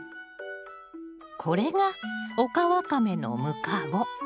これがオカワカメのムカゴ。